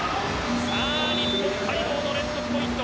日本待望の連続ポイント。